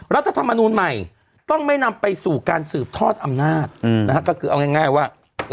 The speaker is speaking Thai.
รัฐธรรมนูลใหม่ต้องไม่นำไปสู่การสืบทอดอำนาจก็คือเอาง่ายว่า